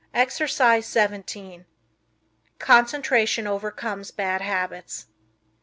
Exercise 17 Concentration Overcomes Bad Habits.